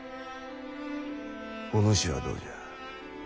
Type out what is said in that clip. お主はどうじゃ？